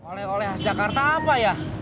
oleh oleh khas jakarta apa ya